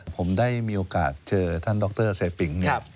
ผมได้มีโอกาสเจอท่านดรเซปิงเนี่ย